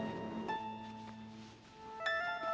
ya ma aku ngerti